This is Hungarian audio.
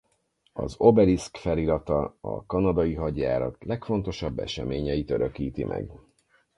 Az obeliszk felirata a kanadai hadjárat legfontosabb eseményeit örökíti meg.